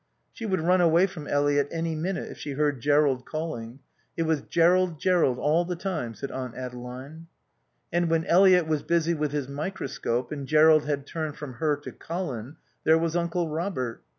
She would run away from Eliot any minute if she heard Jerrold calling. It was Jerrold, Jerrold, all the time, said Aunt Adeline. And when Eliot was busy with his microscope and Jerrold had turned from her to Colin, there was Uncle Robert.